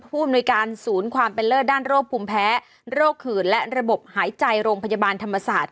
ผู้อำนวยการศูนย์ความเป็นเลิศด้านโรคภูมิแพ้โรคขื่นและระบบหายใจโรงพยาบาลธรรมศาสตร์